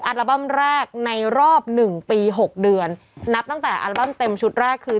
อัลบั้มแรกในรอบหนึ่งปีหกเดือนนับตั้งแต่อัลบั้มเต็มชุดแรกคือ